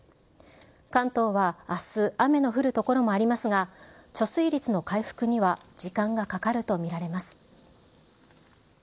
関東はあす、雨の降る所もありますが、貯水率の回復には時間がかかると見られます。